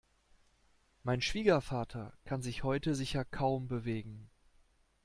Mein Schwiegervater kann sich heute sicher kaum bewegen.